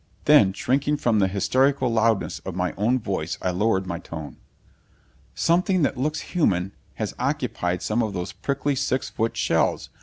Then, shrinking from the hysterical loudness of my own voice, I lowered my tone. "Something that looks human has occupied some of those prickly, six foot shells.